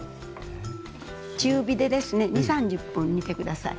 中火でですね２０３０分煮て下さい。